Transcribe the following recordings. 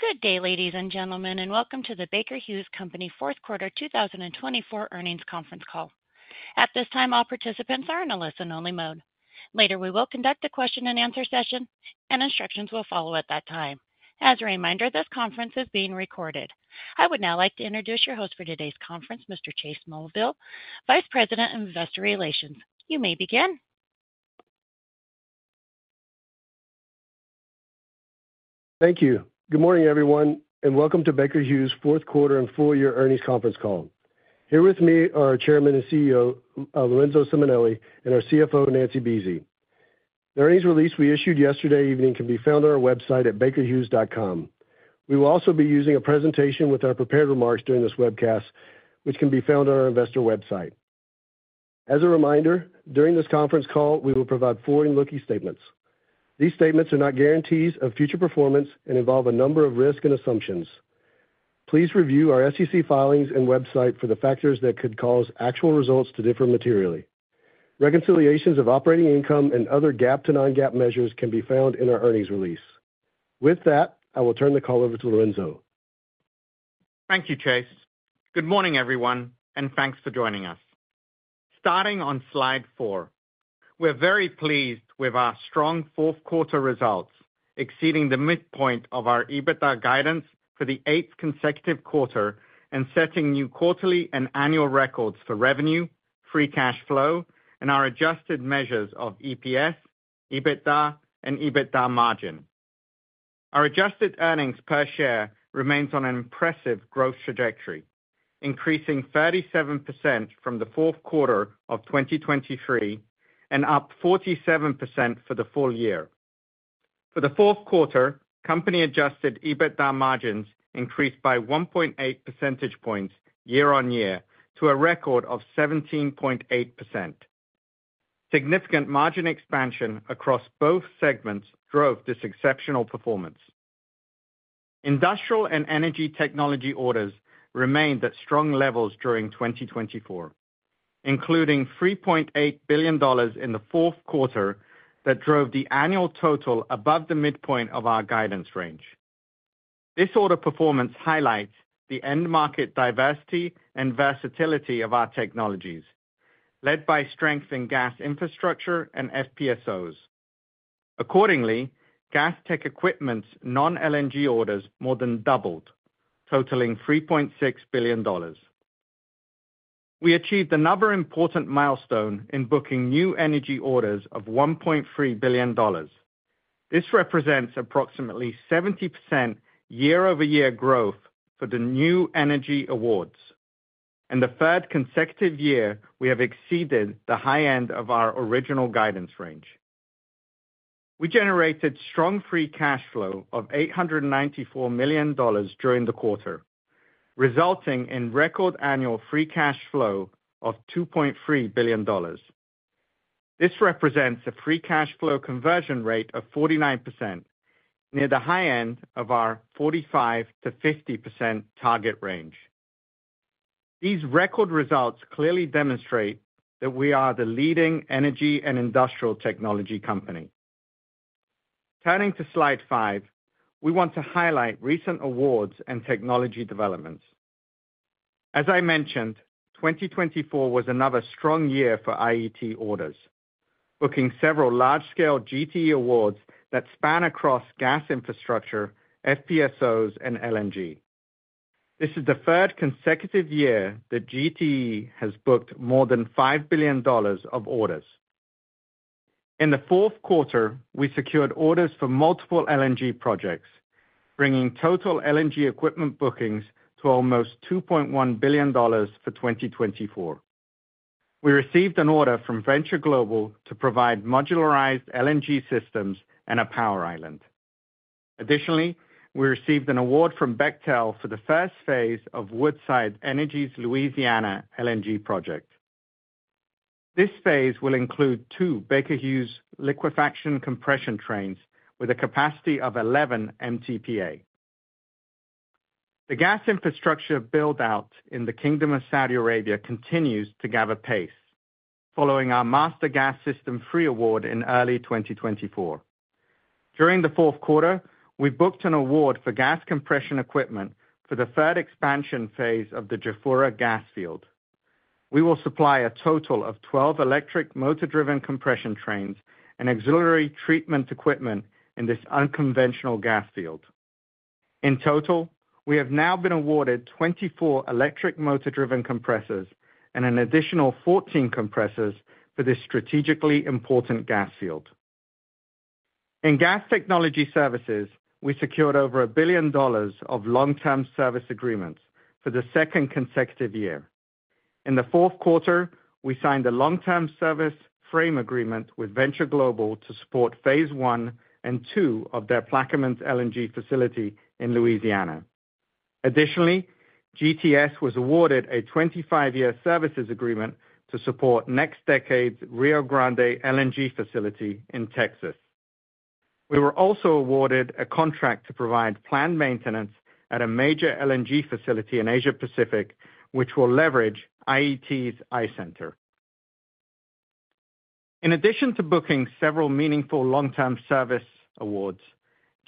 Good day, ladies and gentlemen, and welcome to the Baker Hughes Company Fourth Quarter 2024 earnings conference call. At this time, all participants are in a listen-only mode. Later, we will conduct a question-and-answer session, and instructions will follow at that time. As a reminder, this conference is being recorded. I would now like to introduce your host for today's conference, Mr. Chase Mulvehill, Vice President of Investor Relations. You may begin. Thank you. Good morning, everyone, and welcome to Baker Hughes' fourth quarter and full-year earnings conference call. Here with me are Chairman and CEO Lorenzo Simonelli and our CFO, Nancy Buese. The earnings release we issued yesterday evening can be found on our website at bakerhughes.com. We will also be using a presentation with our prepared remarks during this webcast, which can be found on our investor website. As a reminder, during this conference call, we will provide forward-looking statements. These statements are not guarantees of future performance and involve a number of risks and assumptions. Please review our SEC filings and website for the factors that could cause actual results to differ materially. Reconciliations of operating income and other GAAP-to-non-GAAP measures can be found in our earnings release. With that, I will turn the call over to Lorenzo. Thank you, Chase. Good morning, everyone, and thanks for joining us. Starting on slide four, we're very pleased with our strong fourth-quarter results, exceeding the midpoint of our EBITDA guidance for the eighth consecutive quarter and setting new quarterly and annual records for revenue, free cash flow, and our adjusted measures of EPS, EBITDA, and EBITDA margin. Our adjusted earnings per share remains on an impressive growth trajectory, increasing 37% from the fourth quarter of 2023 and up 47% for the full year. For the fourth quarter, company-adjusted EBITDA margins increased by 1.8 percentage points year-on-year to a record of 17.8%. Significant margin expansion across both segments drove this exceptional performance. Industrial and Energy Technology orders remained at strong levels during 2024, including $3.8 billion in the fourth quarter that drove the annual total above the midpoint of our guidance range. This order performance highlights the end-market diversity and versatility of our technologies, led by strength in gas infrastructure and FPSOs. Accordingly, gas tech equipment's non-LNG orders more than doubled, totaling $3.6 billion. We achieved another important milestone in booking new energy orders of $1.3 billion. This represents approximately 70% year-over-year growth for the new energy awards. In the third consecutive year, we have exceeded the high end of our original guidance range. We generated strong free cash flow of $894 million during the quarter, resulting in record annual free cash flow of $2.3 billion. This represents a free cash flow conversion rate of 49%, near the high end of our 45%-50% target range. These record results clearly demonstrate that we are the leading energy and industrial technology company. Turning to slide five, we want to highlight recent awards and technology developments. As I mentioned, 2024 was another strong year for IET orders, booking several large-scale GTE awards that span across gas infrastructure, FPSOs, and LNG. This is the third consecutive year that GTE has booked more than $5 billion of orders. In the fourth quarter, we secured orders for multiple LNG projects, bringing total LNG equipment bookings to almost $2.1 billion for 2024. We received an order from Venture Global to provide modularized LNG systems and a power island. Additionally, we received an award from Bechtel for the first phase of Woodside Energy's Louisiana LNG project. This phase will include two Baker Hughes liquefaction compression trains with a capacity of 11 MTPA. The gas infrastructure build-out in the Kingdom of Saudi Arabia continues to gather pace, following our Master Gas System III award in early 2024. During the fourth quarter, we booked an award for gas compression equipment for the third expansion phase of the Jafurah gas field. We will supply a total of 12 electric motor-driven compression trains and auxiliary treatment equipment in this unconventional gas field. In total, we have now been awarded 24 electric motor-driven compressors and an additional 14 compressors for this strategically important gas field. In gas technology services, we secured over $1 billion of long-term service agreements for the second consecutive year. In the fourth quarter, we signed a long-term service frame agreement with Venture Global to support phase one and two of their Plaquemines LNG facility in Louisiana. Additionally, GTS was awarded a 25-year services agreement to support NextDecade's Rio Grande LNG facility in Texas. We were also awarded a contract to provide planned maintenance at a major LNG facility in Asia Pacific, which will leverage IET's iCenter. In addition to booking several meaningful long-term service awards,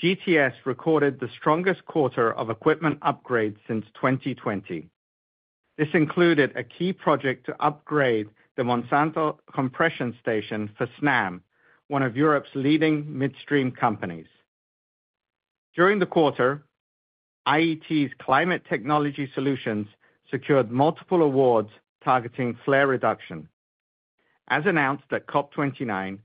GTS recorded the strongest quarter of equipment upgrades since 2020. This included a key project to upgrade the Montesano compression station for Snam, one of Europe's leading midstream companies. During the quarter, IET's climate technology solutions secured multiple awards targeting flare reduction. As announced at COP29,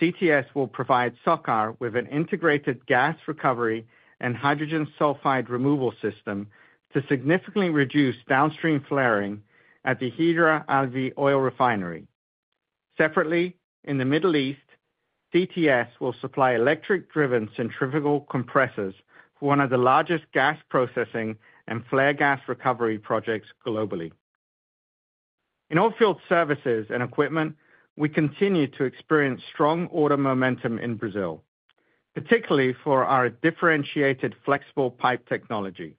CTS will provide SOCAR with an integrated gas recovery and hydrogen sulfide removal system to significantly reduce downstream flaring at the Heydar Aliyev Oil Refinery. Separately, in the Middle East, CTS will supply electric-driven centrifugal compressors for one of the largest gas processing and flare gas recovery projects globally. In all field services and equipment, we continue to experience strong order momentum in Brazil, particularly for our differentiated flexible pipe technology.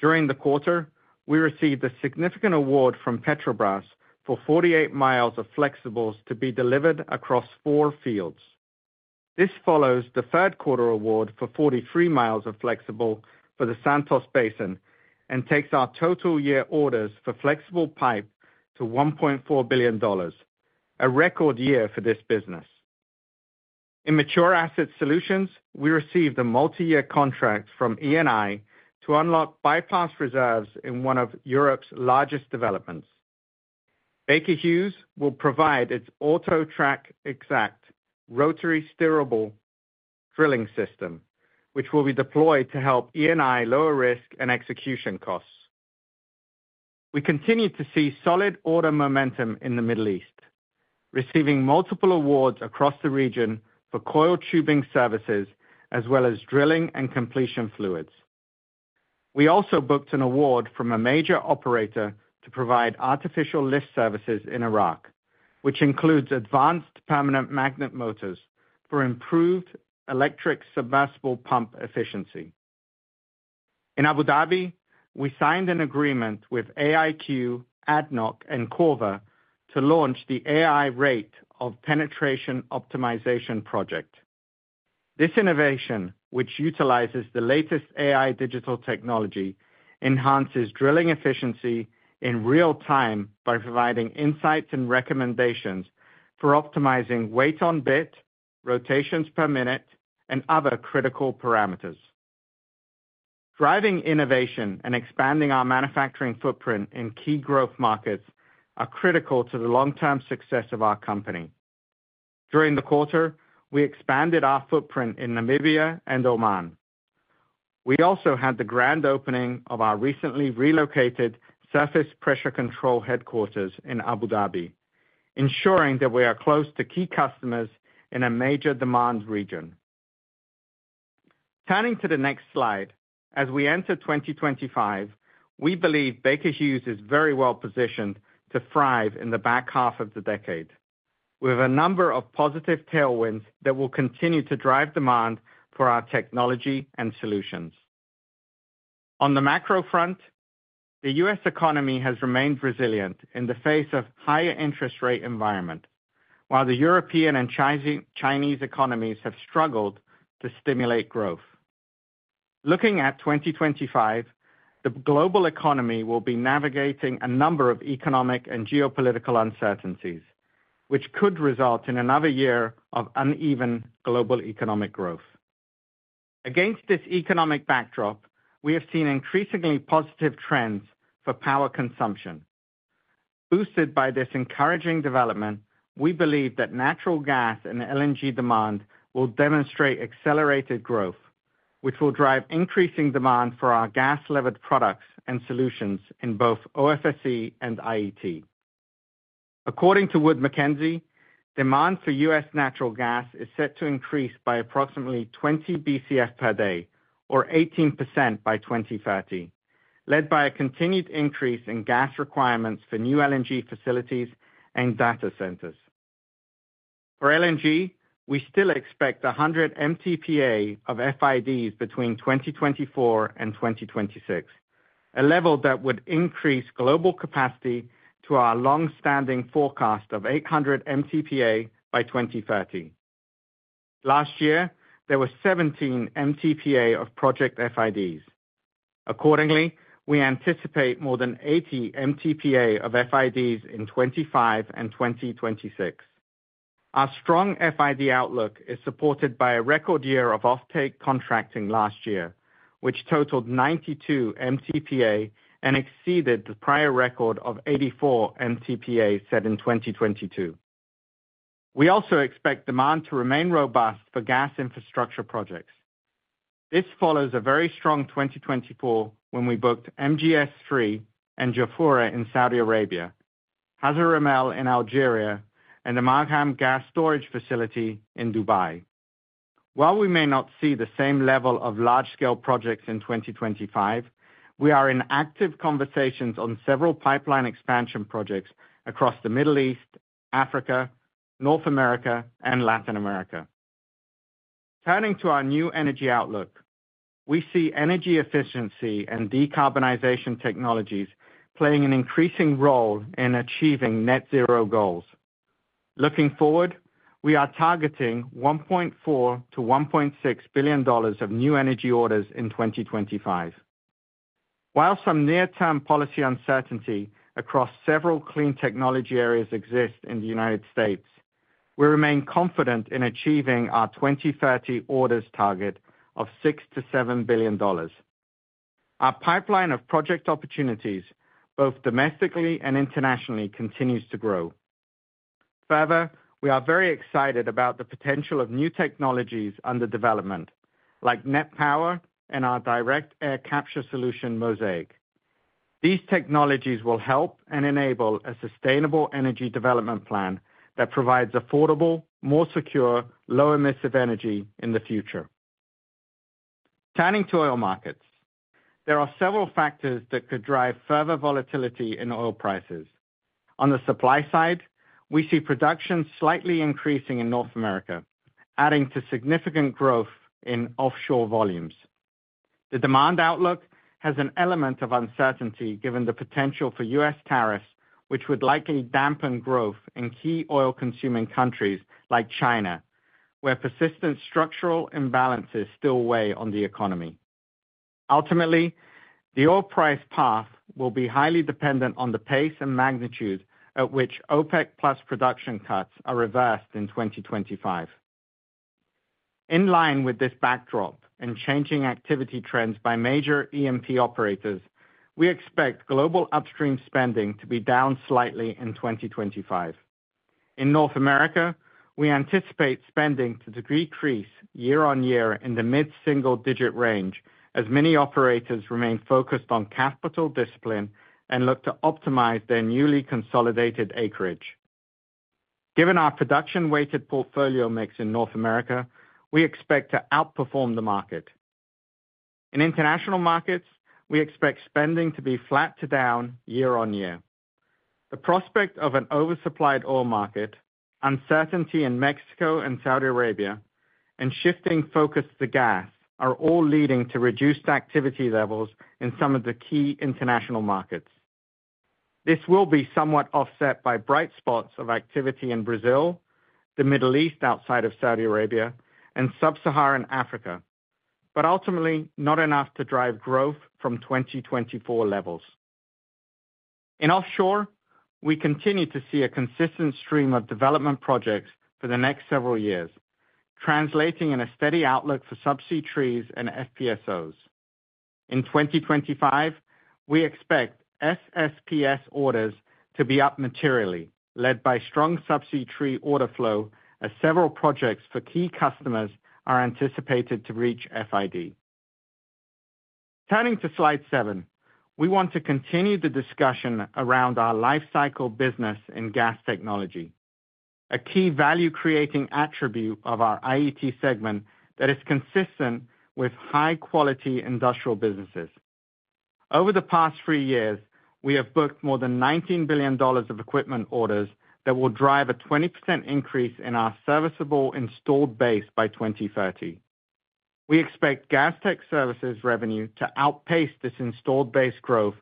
During the quarter, we received a significant award from Petrobras for 48 miles of flexibles to be delivered across four fields. This follows the third quarter award for 43 miles of flexible for the Santos Basin and takes our total year orders for flexible pipe to $1.4 billion, a record year for this business. In mature asset solutions, we received a multi-year contract from Eni to unlock bypass reserves in one of Europe's largest developments. Baker Hughes will provide its AutoTrak eXact rotary steerable drilling system, which will be deployed to help Eni lower risk and execution costs. We continue to see solid order momentum in the Middle East, receiving multiple awards across the region for coil tubing services as well as drilling and completion fluids. We also booked an award from a major operator to provide artificial lift services in Iraq, which includes advanced permanent magnet motors for improved electric submersible pump efficiency. In Abu Dhabi, we signed an agreement with AIQ, ADNOC, and Corva to launch the AI Rate of Penetration Optimization project. This innovation, which utilizes the latest AI digital technology, enhances drilling efficiency in real time by providing insights and recommendations for optimizing weight on bit, rotations per minute, and other critical parameters. Driving innovation and expanding our manufacturing footprint in key growth markets are critical to the long-term success of our company. During the quarter, we expanded our footprint in Namibia and Oman. We also had the grand opening of our recently relocated surface pressure control headquarters in Abu Dhabi, ensuring that we are close to key customers in a major demand region. Turning to the next slide, as we enter 2025, we believe Baker Hughes is very well positioned to thrive in the back half of the decade, with a number of positive tailwinds that will continue to drive demand for our technology and solutions. On the macro front, the U.S. economy has remained resilient in the face of a higher interest rate environment, while the European and Chinese economies have struggled to stimulate growth. Looking at 2025, the global economy will be navigating a number of economic and geopolitical uncertainties, which could result in another year of uneven global economic growth. Against this economic backdrop, we have seen increasingly positive trends for power consumption. Boosted by this encouraging development, we believe that natural gas and LNG demand will demonstrate accelerated growth, which will drive increasing demand for our gas-levered products and solutions in both OFSE and IET. According to Wood Mackenzie, demand for US natural gas is set to increase by approximately 20 BCF per day, or 18% by 2030, led by a continued increase in gas requirements for new LNG facilities and data centers. For LNG, we still expect 100 MTPA of FIDs between 2024 and 2026, a level that would increase global capacity to our long-standing forecast of 800 MTPA by 2030. Last year, there were 17 MTPA of project FIDs. Accordingly, we anticipate more than 80 MTPA of FIDs in 2025 and 2026. Our strong FID outlook is supported by a record year of off-take contracting last year, which totaled 92 MTPA and exceeded the prior record of 84 MTPA set in 2022. We also expect demand to remain robust for gas infrastructure projects. This follows a very strong 2024 when we booked MGS III and Jafurah in Saudi Arabia, Hassi R'Mel in Algeria, and the Margham gas storage facility in Dubai. While we may not see the same level of large-scale projects in 2025, we are in active conversations on several pipeline expansion projects across the Middle East, Africa, North America, and Latin America. Turning to our new energy outlook, we see energy efficiency and decarbonization technologies playing an increasing role in achieving net-zero goals. Looking forward, we are targeting $1.4-$1.6 billion of new energy orders in 2025. While some near-term policy uncertainty across several clean technology areas exists in the United States, we remain confident in achieving our 2030 orders target of $6-$7 billion. Our pipeline of project opportunities, both domestically and internationally, continues to grow. Further, we are very excited about the potential of new technologies under development, like NET Power and our direct air capture solution, Mosaic. These technologies will help and enable a sustainable energy development plan that provides affordable, more secure, low-emissive energy in the future. Turning to oil markets, there are several factors that could drive further volatility in oil prices. On the supply side, we see production slightly increasing in North America, adding to significant growth in offshore volumes. The demand outlook has an element of uncertainty given the potential for U.S. tariffs, which would likely dampen growth in key oil-consuming countries like China, where persistent structural imbalances still weigh on the economy. Ultimately, the oil price path will be highly dependent on the pace and magnitude at which OPEC+ production cuts are reversed in 2025. In line with this backdrop and changing activity trends by major E&P operators, we expect global upstream spending to be down slightly in 2025. In North America, we anticipate spending to decrease year on year in the mid-single-digit range, as many operators remain focused on capital discipline and look to optimize their newly consolidated acreage. Given our production-weighted portfolio mix in North America, we expect to outperform the market. In international markets, we expect spending to be flat to down year on year. The prospect of an oversupplied oil market, uncertainty in Mexico and Saudi Arabia, and shifting focus to gas are all leading to reduced activity levels in some of the key international markets. This will be somewhat offset by bright spots of activity in Brazil, the Middle East outside of Saudi Arabia, and sub-Saharan Africa, but ultimately not enough to drive growth from 2024 levels. In offshore, we continue to see a consistent stream of development projects for the next several years, translating in a steady outlook for subsea trees and FPSOs. In 2025, we expect SSPS orders to be up materially, led by strong subsea tree order flow, as several projects for key customers are anticipated to reach FID. Turning to slide seven, we want to continue the discussion around our lifecycle business in gas technology, a key value-creating attribute of our IET segment that is consistent with high-quality industrial businesses. Over the past three years, we have booked more than $19 billion of equipment orders that will drive a 20% increase in our serviceable installed base by 2030. We expect Gas Tech services revenue to outpace this installed base growth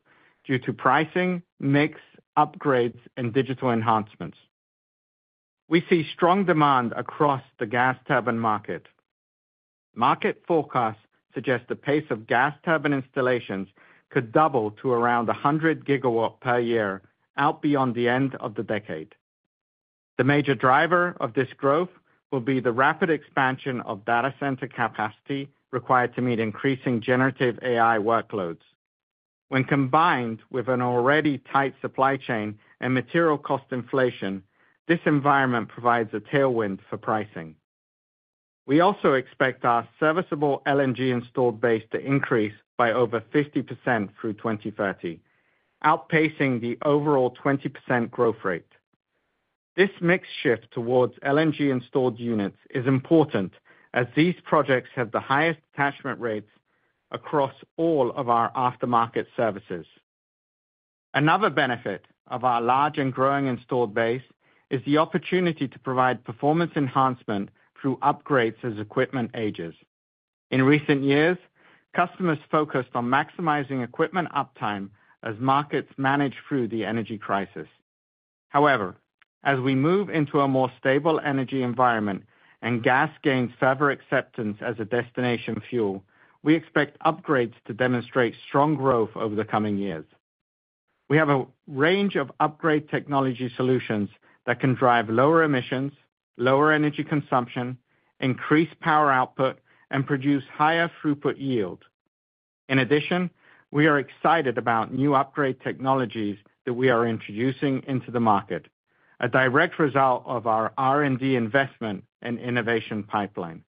due to pricing, mix, upgrades, and digital enhancements. We see strong demand across the gas turbine market. Market forecasts suggest the pace of gas turbine installations could double to around 100 gigawatts per year out beyond the end of the decade. The major driver of this growth will be the rapid expansion of data center capacity required to meet increasing generative AI workloads. When combined with an already tight supply chain and material cost inflation, this environment provides a tailwind for pricing. We also expect our serviceable LNG installed base to increase by over 50% through 2030, outpacing the overall 20% growth rate. This mix shift towards LNG installed units is important, as these projects have the highest attachment rates across all of our aftermarket services. Another benefit of our large and growing installed base is the opportunity to provide performance enhancement through upgrades as equipment ages. In recent years, customers focused on maximizing equipment uptime as markets managed through the energy crisis. However, as we move into a more stable energy environment and gas gains further acceptance as a destination fuel, we expect upgrades to demonstrate strong growth over the coming years. We have a range of upgrade technology solutions that can drive lower emissions, lower energy consumption, increase power output, and produce higher throughput yield. In addition, we are excited about new upgrade technologies that we are introducing into the market, a direct result of our R&D investment and innovation pipeline.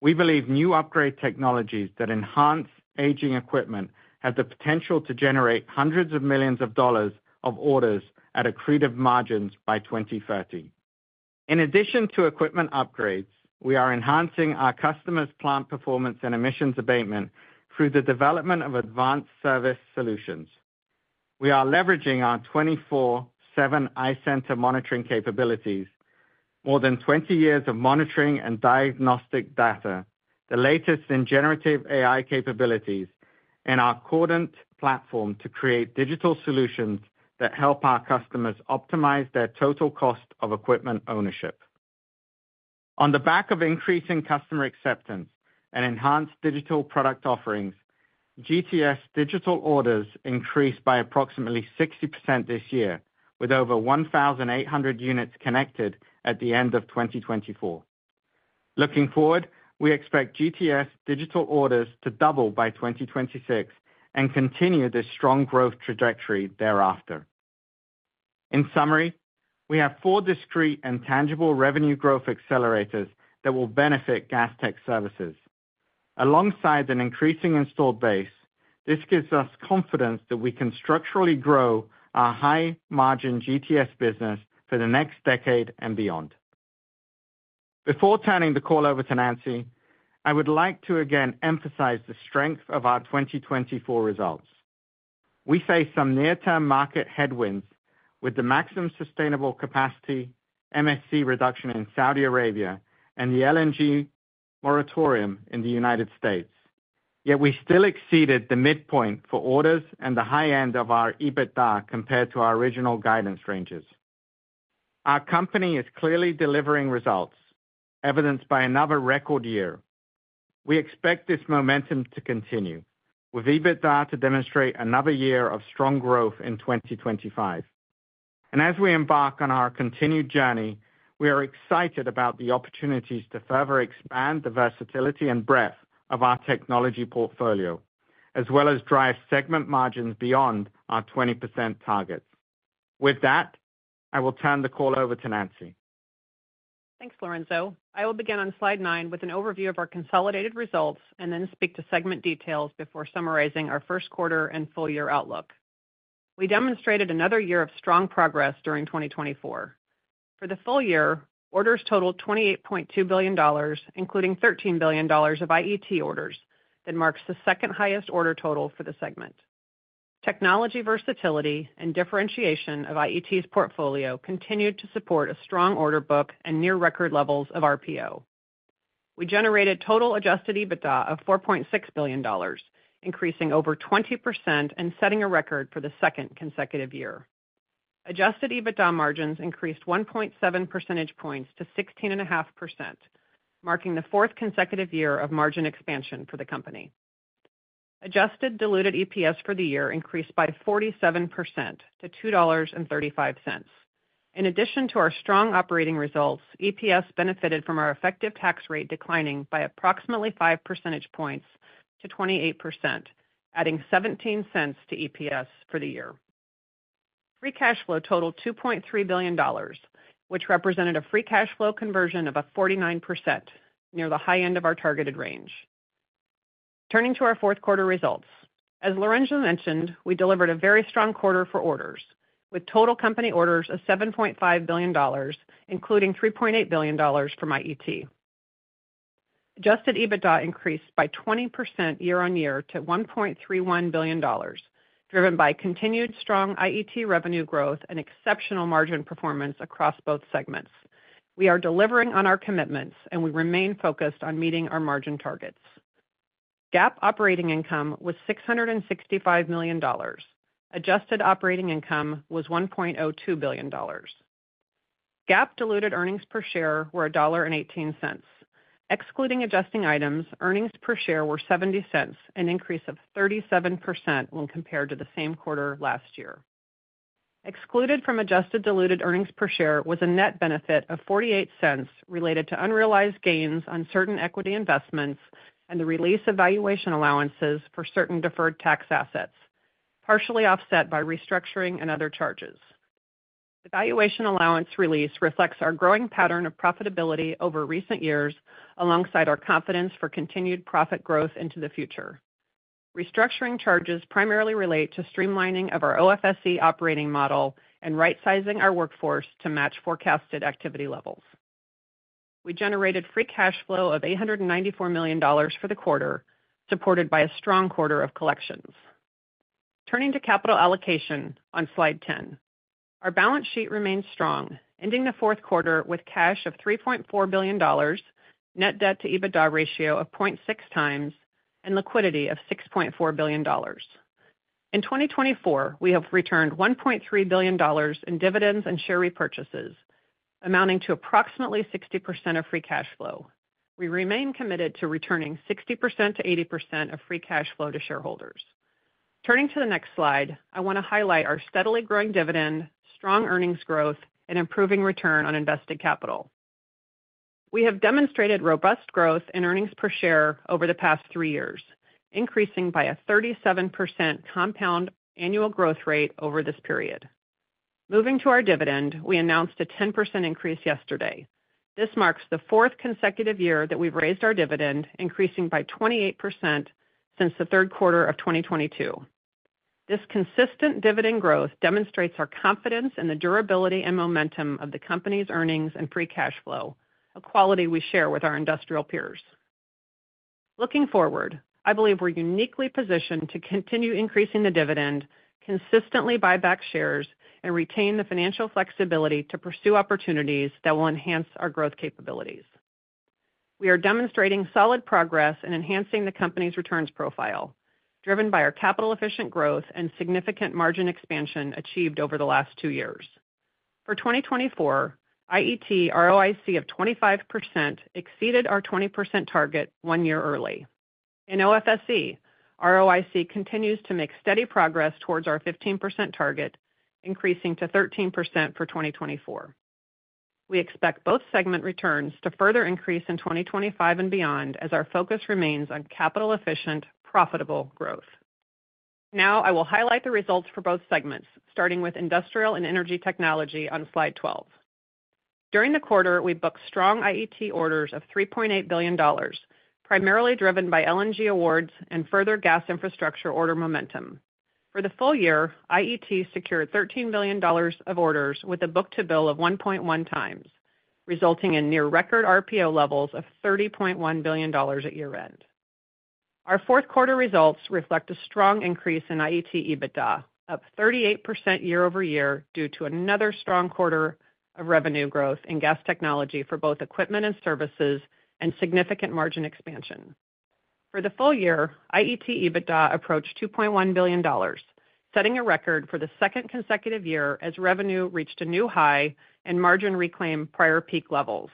We believe new upgrade technologies that enhance aging equipment have the potential to generate hundreds of millions of dollars of orders at accretive margins by 2030. In addition to equipment upgrades, we are enhancing our customers' plant performance and emissions abatement through the development of advanced service solutions. We are leveraging our 24/7 iCenter monitoring capabilities, more than 20 years of monitoring and diagnostic data, the latest in generative AI capabilities, and our Cordant platform to create digital solutions that help our customers optimize their total cost of equipment ownership. On the back of increasing customer acceptance and enhanced digital product offerings, GTS digital orders increased by approximately 60% this year, with over 1,800 units connected at the end of 2024. Looking forward, we expect GTS digital orders to double by 2026 and continue this strong growth trajectory thereafter. In summary, we have four discrete and tangible revenue growth accelerators that will benefit Gas Technology services. Alongside an increasing installed base, this gives us confidence that we can structurally grow our high-margin GTS business for the next decade and beyond. Before turning the call over to Nancy, I would like to again emphasize the strength of our 2024 results. We face some near-term market headwinds with the maximum sustainable capacity MSC reduction in Saudi Arabia and the LNG moratorium in the United States. Yet we still exceeded the midpoint for orders and the high end of our EBITDA compared to our original guidance ranges. Our company is clearly delivering results, evidenced by another record year. We expect this momentum to continue, with EBITDA to demonstrate another year of strong growth in 2025, and as we embark on our continued journey, we are excited about the opportunities to further expand the versatility and breadth of our technology portfolio, as well as drive segment margins beyond our 20% targets. With that, I will turn the call over to Nancy. Thanks, Lorenzo. I will begin on slide nine with an overview of our consolidated results and then speak to segment details before summarizing our first quarter and full-year outlook. We demonstrated another year of strong progress during 2024. For the full year, orders totaled $28.2 billion, including $13 billion of IET orders, that marks the second highest order total for the segment. Technology versatility and differentiation of IET's portfolio continued to support a strong order book and near-record levels of RPO. We generated total adjusted EBITDA of $4.6 billion, increasing over 20% and setting a record for the second consecutive year. Adjusted EBITDA margins increased 1.7 percentage points to 16.5%, marking the fourth consecutive year of margin expansion for the company. Adjusted diluted EPS for the year increased by 47% to $2.35. In addition to our strong operating results, EPS benefited from our effective tax rate declining by approximately 5 percentage points to 28%, adding $0.17 to EPS for the year. Free cash flow totaled $2.3 billion, which represented a free cash flow conversion of 49%, near the high end of our targeted range. Turning to our fourth quarter results, as Lorenzo mentioned, we delivered a very strong quarter for orders, with total company orders of $7.5 billion, including $3.8 billion from IET. Adjusted EBITDA increased by 20% year on year to $1.31 billion, driven by continued strong IET revenue growth and exceptional margin performance across both segments. We are delivering on our commitments, and we remain focused on meeting our margin targets. GAAP operating income was $665 million. Adjusted operating income was $1.02 billion. GAAP diluted earnings per share were $1.18. Excluding adjusting items, earnings per share were $0.70, an increase of 37% when compared to the same quarter last year. Excluded from adjusted diluted earnings per share was a net benefit of $0.48 related to unrealized gains on certain equity investments and the release of valuation allowances for certain deferred tax assets, partially offset by restructuring and other charges. The valuation allowance release reflects our growing pattern of profitability over recent years, alongside our confidence for continued profit growth into the future. Restructuring charges primarily relate to streamlining of our OFSE operating model and right-sizing our workforce to match forecasted activity levels. We generated free cash flow of $894 million for the quarter, supported by a strong quarter of collections. Turning to capital allocation on slide 10, our balance sheet remains strong, ending the fourth quarter with cash of $3.4 billion, net debt to EBITDA ratio of 0.6 times, and liquidity of $6.4 billion. In 2024, we have returned $1.3 billion in dividends and share repurchases, amounting to approximately 60% of free cash flow. We remain committed to returning 60%-80% of free cash flow to shareholders. Turning to the next slide, I want to highlight our steadily growing dividend, strong earnings growth, and improving return on invested capital. We have demonstrated robust growth in earnings per share over the past three years, increasing by a 37% compound annual growth rate over this period. Moving to our dividend, we announced a 10% increase yesterday. This marks the fourth consecutive year that we've raised our dividend, increasing by 28% since the third quarter of 2022. This consistent dividend growth demonstrates our confidence in the durability and momentum of the company's earnings and free cash flow, a quality we share with our industrial peers. Looking forward, I believe we're uniquely positioned to continue increasing the dividend, consistently buy back shares, and retain the financial flexibility to pursue opportunities that will enhance our growth capabilities. We are demonstrating solid progress in enhancing the company's returns profile, driven by our capital-efficient growth and significant margin expansion achieved over the last two years. For 2024, IET ROIC of 25% exceeded our 20% target one year early. In OFSE, ROIC continues to make steady progress towards our 15% target, increasing to 13% for 2024. We expect both segment returns to further increase in 2025 and beyond, as our focus remains on capital-efficient, profitable growth. Now, I will highlight the results for both segments, starting with Industrial and Energy Technology on slide 12. During the quarter, we booked strong IET orders of $3.8 billion, primarily driven by LNG awards and further gas infrastructure order momentum. For the full year, IET secured $13 billion of orders with a book-to-bill of 1.1 times, resulting in near-record RPO levels of $30.1 billion at year-end. Our fourth quarter results reflect a strong increase in IET EBITDA, up 38% year over year due to another strong quarter of revenue growth in gas technology for both equipment and services, and significant margin expansion. For the full year, IET EBITDA approached $2.1 billion, setting a record for the second consecutive year as revenue reached a new high and margin reclaimed prior peak levels.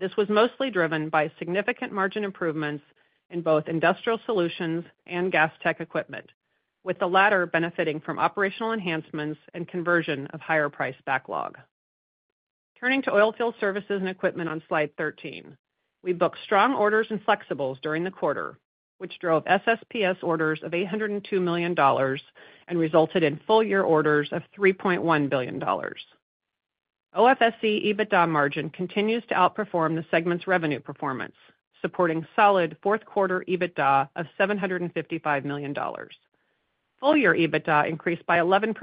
This was mostly driven by significant margin improvements in both industrial solutions and gas tech equipment, with the latter benefiting from operational enhancements and conversion of higher price backlog. Turning to Oil Field Services and Equipment on slide 13, we booked strong orders and flexibles during the quarter, which drove SSPS orders of $802 million and resulted in full-year orders of $3.1 billion. OFSE EBITDA margin continues to outperform the segment's revenue performance, supporting solid fourth quarter EBITDA of $755 million. Full-year EBITDA increased by 11%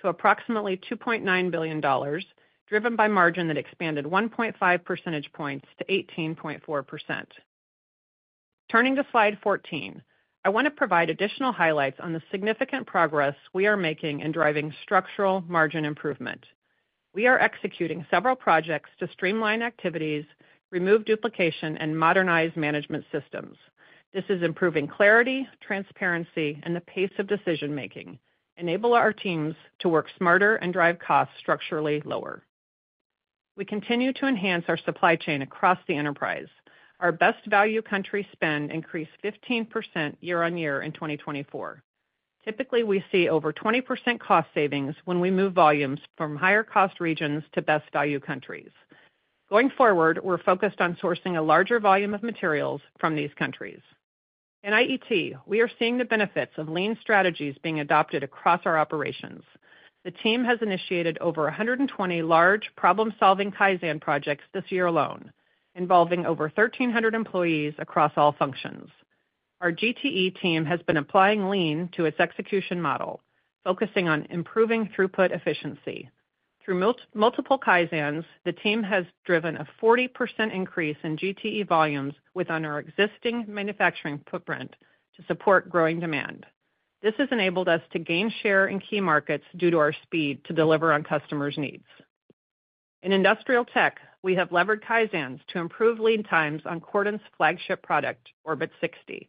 to approximately $2.9 billion, driven by margin that expanded 1.5 percentage points to 18.4%. Turning to slide 14, I want to provide additional highlights on the significant progress we are making in driving structural margin improvement. We are executing several projects to streamline activities, remove duplication, and modernize management systems. This is improving clarity, transparency, and the pace of decision-making, enabling our teams to work smarter and drive costs structurally lower. We continue to enhance our supply chain across the enterprise. Our best-value country spend increased 15% year on year in 2024. Typically, we see over 20% cost savings when we move volumes from higher-cost regions to best-value countries. Going forward, we're focused on sourcing a larger volume of materials from these countries. In IET, we are seeing the benefits of lean strategies being adopted across our operations. The team has initiated over 120 large problem-solving Kaizen projects this year alone, involving over 1,300 employees across all functions. Our GTE team has been applying lean to its execution model, focusing on improving throughput efficiency. Through multiple Kaizens, the team has driven a 40% increase in GTE volumes within our existing manufacturing footprint to support growing demand. This has enabled us to gain share in key markets due to our speed to deliver on customers' needs. In industrial tech, we have levered Kaizens to improve lead times on Cordant's flagship product, Orbit 60.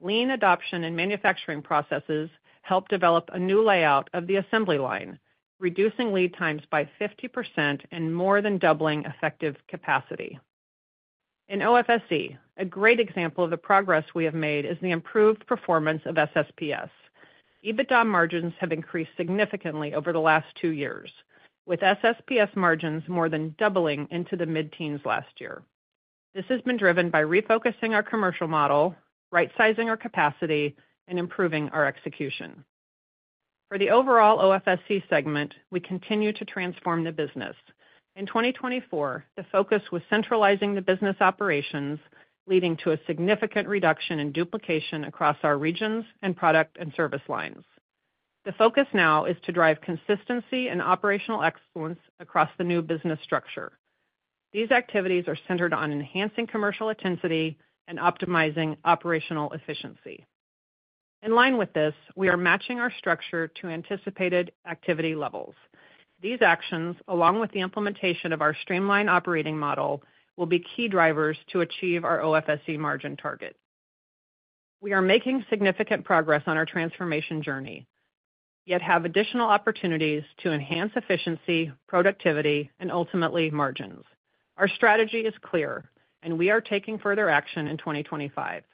Lean adoption and manufacturing processes helped develop a new layout of the assembly line, reducing lead times by 50% and more than doubling effective capacity. In OFSE, a great example of the progress we have made is the improved performance of SSPS. EBITDA margins have increased significantly over the last two years, with SSPS margins more than doubling into the mid-teens last year. This has been driven by refocusing our commercial model, right-sizing our capacity, and improving our execution. For the overall OFSE segment, we continue to transform the business. In 2024, the focus was centralizing the business operations, leading to a significant reduction in duplication across our regions and product and service lines. The focus now is to drive consistency and operational excellence across the new business structure. These activities are centered on enhancing commercial intensity and optimizing operational efficiency. In line with this, we are matching our structure to anticipated activity levels. These actions, along with the implementation of our streamlined operating model, will be key drivers to achieve our OFSE margin target. We are making significant progress on our transformation journey, yet have additional opportunities to enhance efficiency, productivity, and ultimately margins. Our strategy is clear, and we are taking further action in 2025.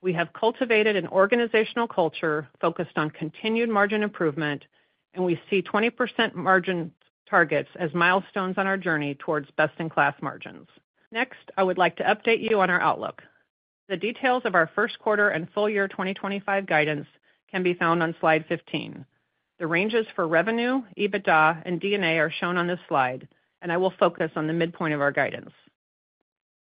We have cultivated an organizational culture focused on continued margin improvement, and we see 20% margin targets as milestones on our journey towards best-in-class margins. Next, I would like to update you on our outlook. The details of our first quarter and full-year 2025 guidance can be found on slide 15. The ranges for revenue, EBITDA, and EPS are shown on this slide, and I will focus on the midpoint of our guidance.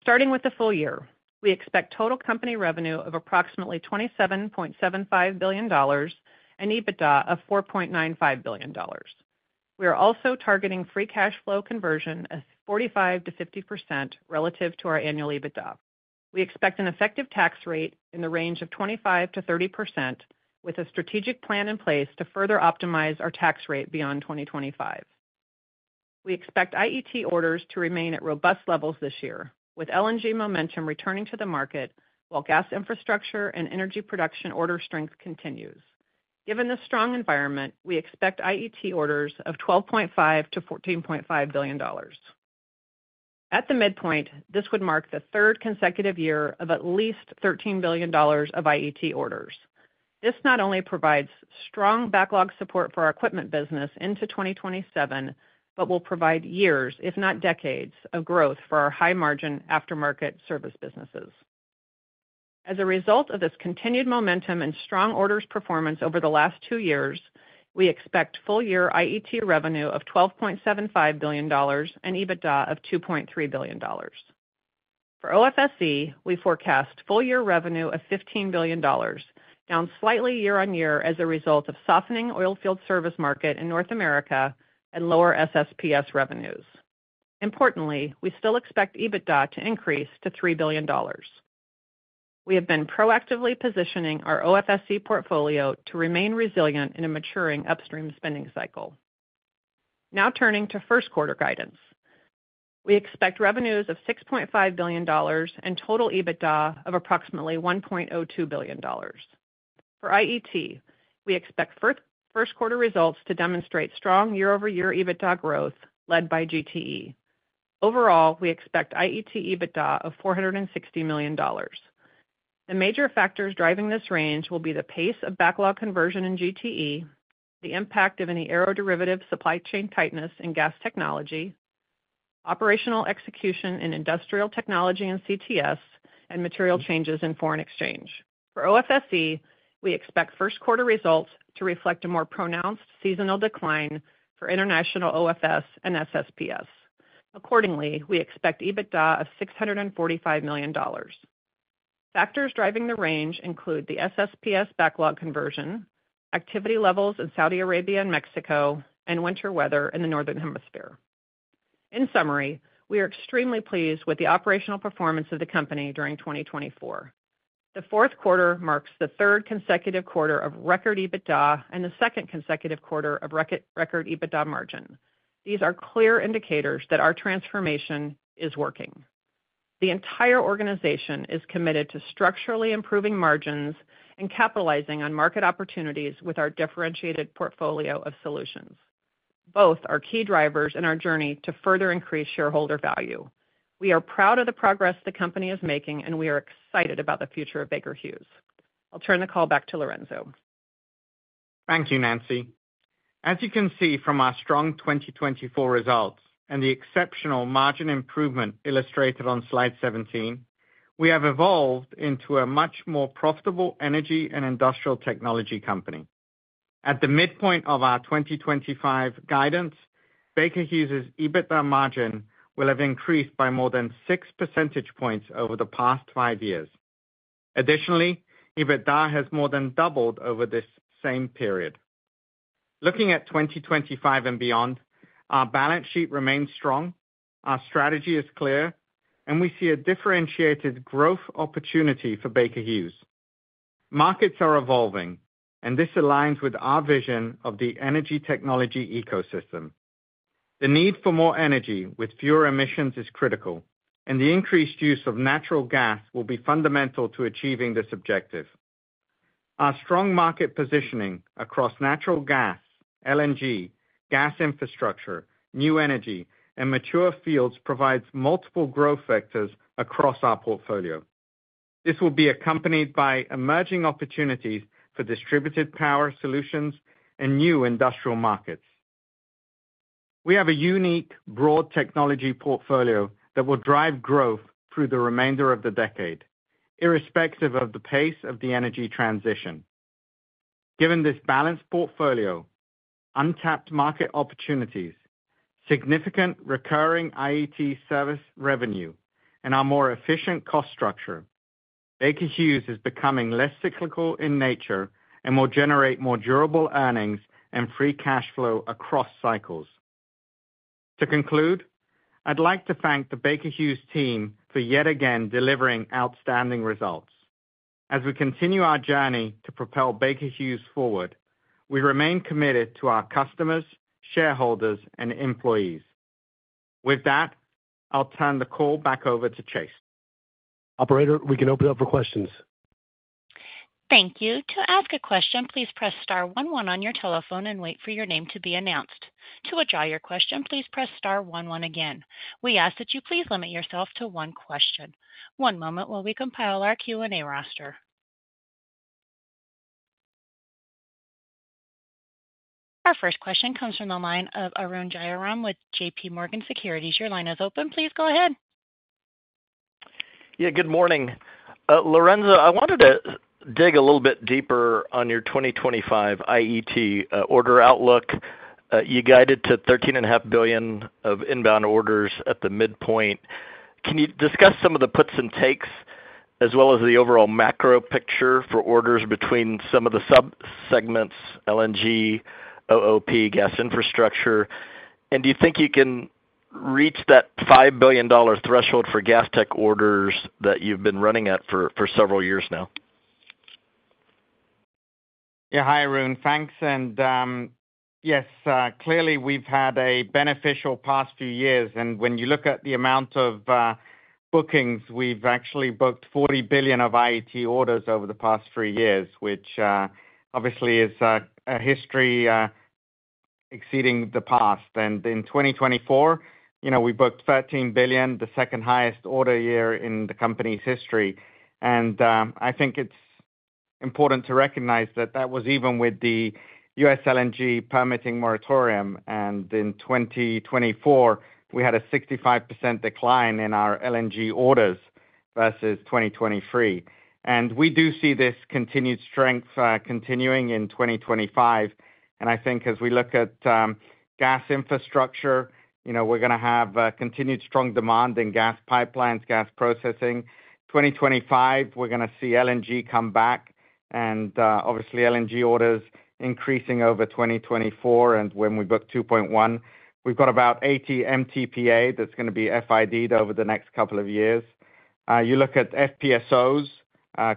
Starting with the full year, we expect total company revenue of approximately $27.75 billion and EBITDA of $4.95 billion. We are also targeting free cash flow conversion of 45%-50% relative to our annual EBITDA. We expect an effective tax rate in the range of 25%-30%, with a strategic plan in place to further optimize our tax rate beyond 2025. We expect IET orders to remain at robust levels this year, with LNG momentum returning to the market while gas infrastructure and energy production order strength continues. Given the strong environment, we expect IET orders of $12.5-$14.5 billion. At the midpoint, this would mark the third consecutive year of at least $13 billion of IET orders. This not only provides strong backlog support for our equipment business into 2027, but will provide years, if not decades, of growth for our high-margin aftermarket service businesses. As a result of this continued momentum and strong orders performance over the last two years, we expect full-year IET revenue of $12.75 billion and EBITDA of $2.3 billion. For OFSE, we forecast full-year revenue of $15 billion, down slightly year on year as a result of softening oil field service market in North America and lower SSPS revenues. Importantly, we still expect EBITDA to increase to $3 billion. We have been proactively positioning our OFSE portfolio to remain resilient in a maturing upstream spending cycle. Now turning to first quarter guidance, we expect revenues of $6.5 billion and total EBITDA of approximately $1.02 billion. For IET, we expect first quarter results to demonstrate strong year-over-year EBITDA growth led by GTE. Overall, we expect IET EBITDA of $460 million. The major factors driving this range will be the pace of backlog conversion in GTE, the impact of any aeroderivative supply chain tightness in gas technology, operational execution in industrial technology and CTS, and material changes in foreign exchange. For OFSE, we expect first quarter results to reflect a more pronounced seasonal decline for international OFS and SSPS. Accordingly, we expect EBITDA of $645 million. Factors driving the range include the SSPS backlog conversion, activity levels in Saudi Arabia and Mexico, and winter weather in the northern hemisphere. In summary, we are extremely pleased with the operational performance of the company during 2024. The fourth quarter marks the third consecutive quarter of record EBITDA and the second consecutive quarter of record EBITDA margin. These are clear indicators that our transformation is working. The entire organization is committed to structurally improving margins and capitalizing on market opportunities with our differentiated portfolio of solutions. Both are key drivers in our journey to further increase shareholder value. We are proud of the progress the company is making, and we are excited about the future of Baker Hughes. I'll turn the call back to Lorenzo. Thank you, Nancy. As you can see from our strong 2024 results and the exceptional margin improvement illustrated on slide 17, we have evolved into a much more profitable energy and industrial technology company. At the midpoint of our 2025 guidance, Baker Hughes' EBITDA margin will have increased by more than 6 percentage points over the past five years. Additionally, EBITDA has more than doubled over this same period. Looking at 2025 and beyond, our balance sheet remains strong, our strategy is clear, and we see a differentiated growth opportunity for Baker Hughes. Markets are evolving, and this aligns with our vision of the energy technology ecosystem. The need for more energy with fewer emissions is critical, and the increased use of natural gas will be fundamental to achieving this objective. Our strong market positioning across natural gas, LNG, gas infrastructure, new energy, and mature fields provides multiple growth factors across our portfolio. This will be accompanied by emerging opportunities for distributed power solutions and new industrial markets. We have a unique, broad technology portfolio that will drive growth through the remainder of the decade, irrespective of the pace of the energy transition. Given this balanced portfolio, untapped market opportunities, significant recurring IET service revenue, and our more efficient cost structure, Baker Hughes is becoming less cyclical in nature and will generate more durable earnings and free cash flow across cycles. To conclude, I'd like to thank the Baker Hughes team for yet again delivering outstanding results. As we continue our journey to propel Baker Hughes forward, we remain committed to our customers, shareholders, and employees. With that, I'll turn the call back over to Chase. Operator, we can open it up for questions. Thank you. To ask a question, please press star one one on your telephone and wait for your name to be announced. To withdraw your question, please press star one one again. We ask that you please limit yourself to one question. One moment while we compile our Q&A roster. Our first question comes from the line of Arun Jayaram with JP Morgan Securities. Your line is open. Please go ahead. Yeah, good morning. Lorenzo, I wanted to dig a little bit deeper on your 2025 IET order outlook. You guided to $13.5 billion of inbound orders at the midpoint. Can you discuss some of the puts and takes, as well as the overall macro picture for orders between some of the subsegments, LNG, OOP, gas infrastructure? And do you think you can reach that $5 billion threshold for gas tech orders that you've been running at for several years now? Yeah, hi, Arun. Thanks. And yes, clearly, we've had a beneficial past few years. And when you look at the amount of bookings, we've actually booked $40 billion of IET orders over the past three years, which obviously is a history exceeding the past. In 2024, we booked $13 billion, the second highest order year in the company's history. I think it's important to recognize that that was even with the U.S. LNG permitting moratorium. In 2024, we had a 65% decline in our LNG orders versus 2023. We do see this continued strength continuing in 2025. I think as we look at gas infrastructure, we're going to have continued strong demand in gas pipelines, gas processing. In 2025, we're going to see LNG come back and obviously LNG orders increasing over 2024. When we book 2.1, we've got about 80 MTPA that's going to be FID'd over the next couple of years. You look at FPSOs,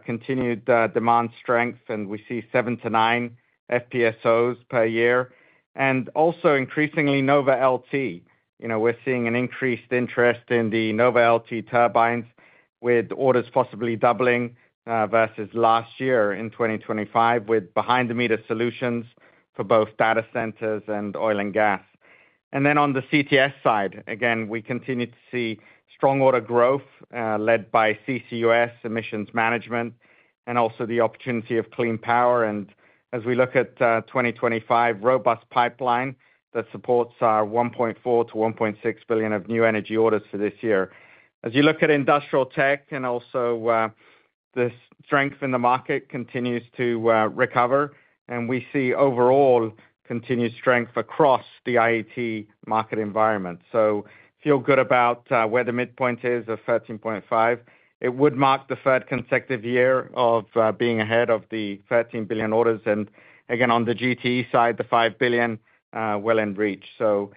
continued demand strength, and we see 7-9 FPSOs per year. Also increasingly NovaLT. We're seeing an increased interest in the NovaLT turbines, with orders possibly doubling versus last year in 2025, with behind-the-meter solutions for both data centers and oil and gas. And then on the CTS side, again, we continue to see strong order growth led by CCUS, emissions management, and also the opportunity of clean power. And as we look at 2025, robust pipeline that supports our $1.4-$1.6 billion of new energy orders for this year. As you look at industrial tech and also the strength in the market continues to recover, and we see overall continued strength across the IET market environment. So feel good about where the midpoint is of $13.5. It would mark the third consecutive year of being ahead of the $13 billion orders. And again, on the GTE side, the $5 billion well in reach. So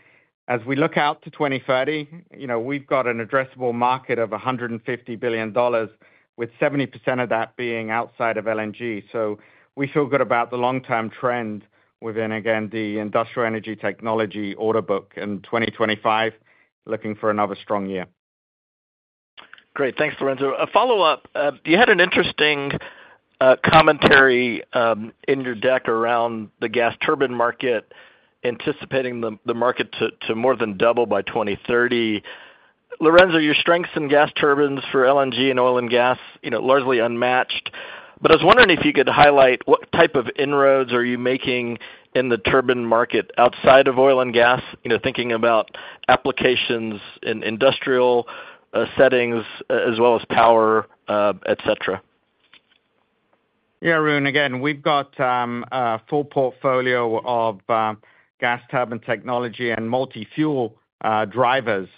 as we look out to 2030, we've got an addressable market of $150 billion, with 70% of that being outside of LNG. So we feel good about the long-term trend within, again, the industrial energy technology order book in 2025, looking for another strong year. Great. Thanks, Lorenzo. A follow-up. You had an interesting commentary in your deck around the gas turbine market, anticipating the market to more than double by 2030. Lorenzo, your strengths in gas turbines for LNG and oil and gas are largely unmatched. But I was wondering if you could highlight what type of inroads are you making in the turbine market outside of oil and gas, thinking about applications in industrial settings as well as power, etc. Yeah, Arun, again, we've got a full portfolio of gas turbine technology and multi-fuel drivers,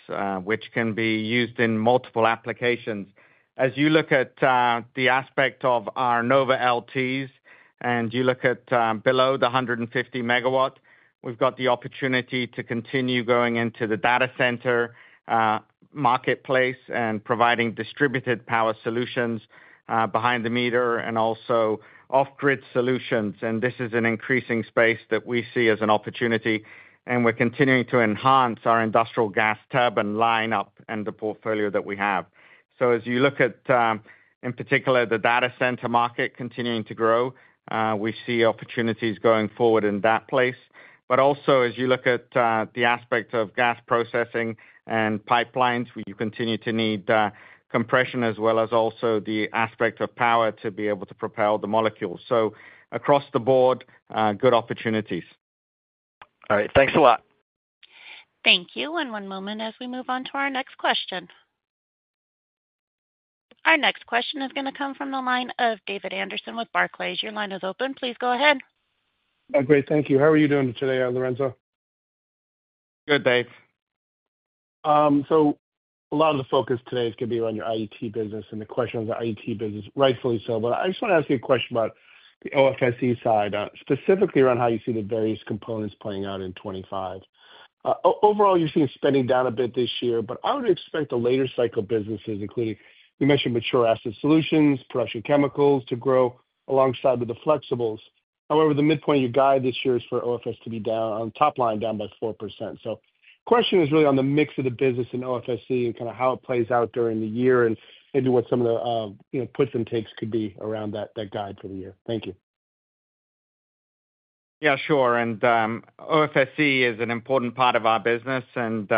which can be used in multiple applications. As you look at the aspect of our NovaLTs and you look at below the 150 megawatt, we've got the opportunity to continue going into the data center marketplace and providing distributed power solutions behind the meter and also off-grid solutions. And this is an increasing space that we see as an opportunity. And we're continuing to enhance our industrial gas turbine lineup and the portfolio that we have. So as you look at, in particular, the data center market continuing to grow, we see opportunities going forward in that place. But also, as you look at the aspect of gas processing and pipelines, you continue to need compression as well as also the aspect of power to be able to propel the molecules. So across the board, good opportunities. All right. Thanks a lot. Thank you. And one moment as we move on to our next question. Our next question is going to come from the line of David Anderson with Barclays. Your line is open. Please go ahead. Great. Thank you. How are you doing today, Lorenzo? Good, Dave. So a lot of the focus today is going to be around your IET business and the question of the IET business, rightfully so. But I just want to ask you a question about the OFSE side, specifically around how you see the various components playing out in 2025. Overall, you're seeing spending down a bit this year, but I would expect the later cycle businesses, including you mentioned mature asset solutions, production chemicals to grow alongside with the flexibles. However, the midpoint you guide this year is for OFSE to be down on top line down by 4%. So the question is really on the mix of the business in OFSE and kind of how it plays out during the year and maybe what some of the puts and takes could be around that guide for the year. Thank you. Yeah, sure. And OFSE is an important part of our business, and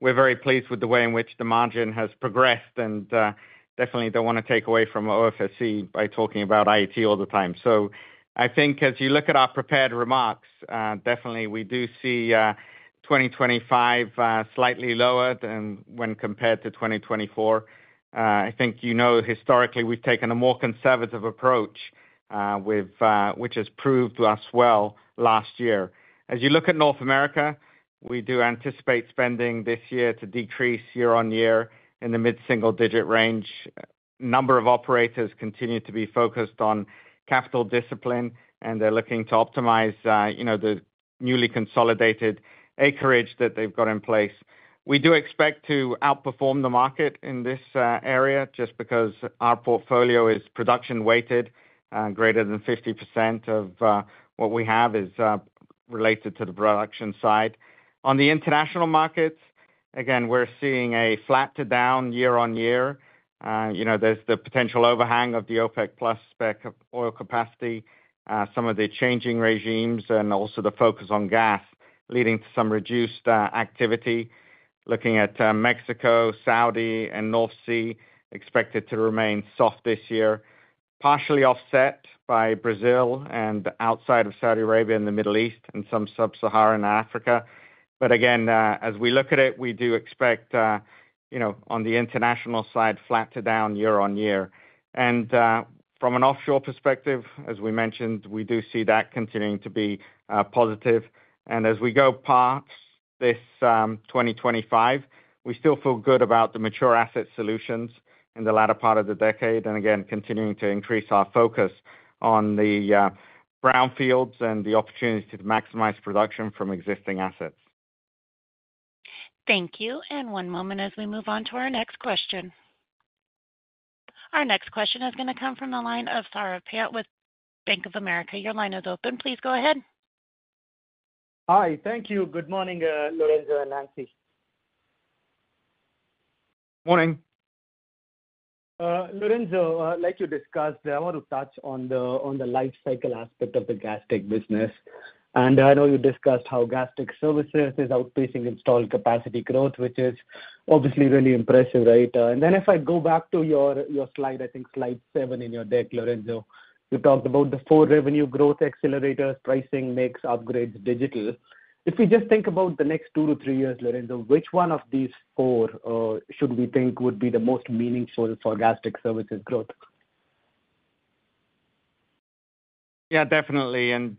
we're very pleased with the way in which the margin has progressed and definitely don't want to take away from OFSE by talking about IET all the time. So I think as you look at our prepared remarks, definitely we do see 2025 slightly lower than when compared to 2024. I think you know historically we've taken a more conservative approach, which has proved to us well last year. As you look at North America, we do anticipate spending this year to decrease year on year in the mid-single digit range. number of operators continue to be focused on capital discipline, and they're looking to optimize the newly consolidated acreage that they've got in place. We do expect to outperform the market in this area just because our portfolio is production-weighted. Greater than 50% of what we have is related to the production side. On the international markets, again, we're seeing a flat to down year on year. There's the potential overhang of the OPEC+ specter of oil capacity, some of the changing regimes, and also the focus on gas leading to some reduced activity. Looking at Mexico, Saudi, and North Sea, expected to remain soft this year, partially offset by Brazil and outside of Saudi Arabia in the Middle East and some sub-Saharan Africa. But again, as we look at it, we do expect on the international side, flat to down year on year. From an offshore perspective, as we mentioned, we do see that continuing to be positive. As we go past this 2025, we still feel good about the mature asset solutions in the latter part of the decade and again, continuing to increase our focus on the brownfields and the opportunity to maximize production from existing assets. Thank you. One moment as we move on to our next question. Our next question is going to come from the line of Saurabh Pant with Bank of America. Your line is open. Please go ahead. Hi. Thank you. Good morning, Lorenzo and Nancy. Morning. Lorenzo, like you discussed, I want to touch on the life cycle aspect of the gas tech business. And I know you discussed how gas tech services is outpacing installed capacity growth, which is obviously really impressive, right? And then, if I go back to your slide, I think slide seven in your deck, Lorenzo, you talked about the four revenue growth accelerators, pricing, mix, upgrades, digital. If we just think about the next two to three years, Lorenzo, which one of these four should we think would be the most meaningful for gas tech services growth? Yeah, definitely. And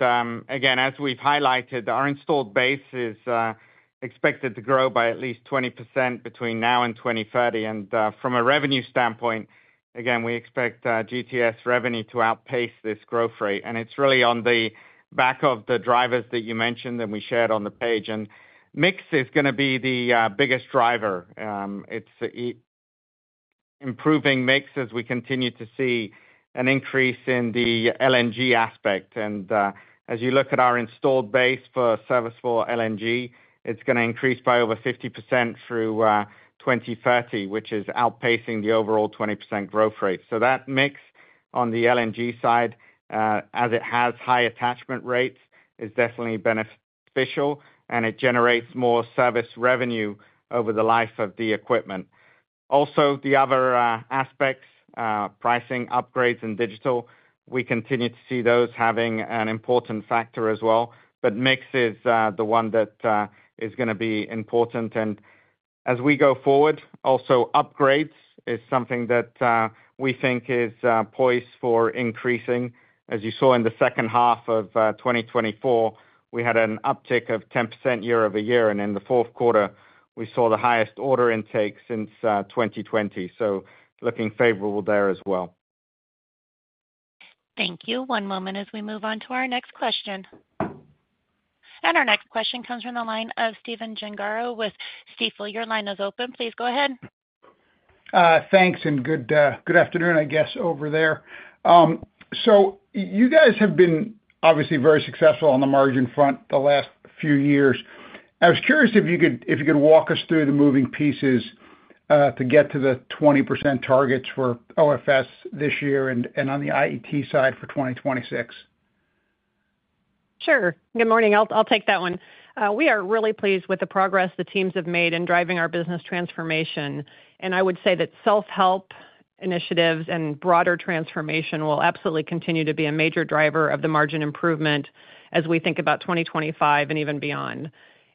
again, as we've highlighted, our installed base is expected to grow by at least 20% between now and 2030. And from a revenue standpoint, again, we expect GTS revenue to outpace this growth rate. And it's really on the back of the drivers that you mentioned that we shared on the page. And mix is going to be the biggest driver. It's improving mix as we continue to see an increase in the LNG aspect. And as you look at our installed base for service for LNG, it's going to increase by over 50% through 2030, which is outpacing the overall 20% growth rate. So that mix on the LNG side, as it has high attachment rates, is definitely beneficial, and it generates more service revenue over the life of the equipment. Also, the other aspects, pricing, upgrades, and digital, we continue to see those having an important factor as well. But mix is the one that is going to be important. And as we go forward, also upgrades is something that we think is poised for increasing. As you saw in the second half of 2024, we had an uptick of 10% year over year. And in the fourth quarter, we saw the highest order intake since 2020. So looking favorable there as well. Thank you. One moment as we move on to our next question. And our next question comes from the line of Stephen Gengaro with Stifel. Your line is open. Please go ahead. Thanks. And good afternoon, I guess, over there. So you guys have been obviously very successful on the margin front the last few years. I was curious if you could walk us through the moving pieces to get to the 20% targets for OFS this year and on the IET side for 2026. Sure. Good morning. I'll take that one. We are really pleased with the progress the teams have made in driving our business transformation. And I would say that self-help initiatives and broader transformation will absolutely continue to be a major driver of the margin improvement as we think about 2025 and even beyond.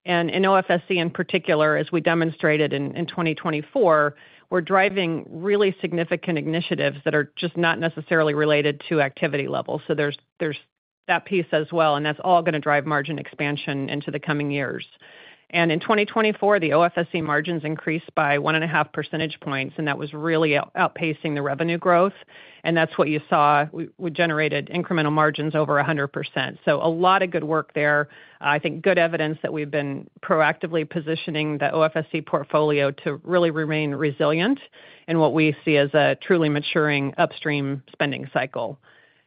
And in OFSE in particular, as we demonstrated in 2024, we're driving really significant initiatives that are just not necessarily related to activity levels. So there's that piece as well. And that's all going to drive margin expansion into the coming years. And in 2024, the OFSE margins increased by one and a half percentage points, and that was really outpacing the revenue growth. And that's what you saw generated incremental margins over 100%. So a lot of good work there. I think good evidence that we've been proactively positioning the OFSE portfolio to really remain resilient in what we see as a truly maturing upstream spending cycle.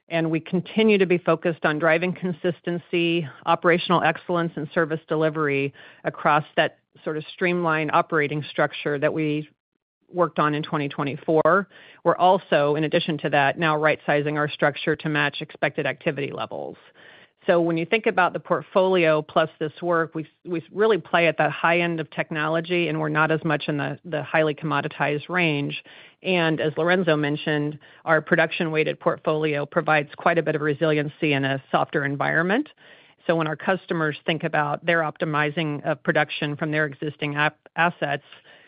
And we continue to be focused on driving consistency, operational excellence, and service delivery across that sort of streamlined operating structure that we worked on in 2024. We're also, in addition to that, now right-sizing our structure to match expected activity levels. So when you think about the portfolio plus this work, we really play at the high end of technology, and we're not as much in the highly commoditized range. And as Lorenzo mentioned, our production-weighted portfolio provides quite a bit of resiliency in a softer environment. So when our customers think about their optimizing of production from their existing assets,